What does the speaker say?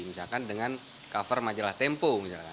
misalkan dengan cover majalah tempo